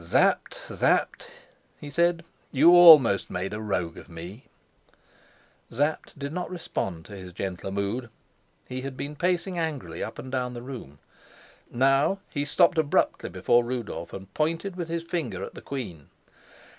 "Sapt, Sapt," he said, "you almost made a rogue of me." Sapt did not respond to his gentler mood. He had been pacing angrily up and down the room. Now he stopped abruptly before Rudolf, and pointed with his finger at the queen.